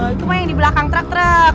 itu mah yang di belakang truk truk